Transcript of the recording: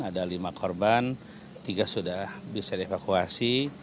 ada lima korban tiga sudah bisa dievakuasi